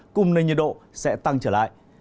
cùng nền nhiệt độ sẽ tăng trở lại